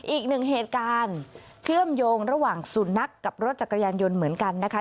อีกหนึ่งเหตุการณ์เชื่อมโยงระหว่างสุนัขกับรถจักรยานยนต์เหมือนกันนะคะ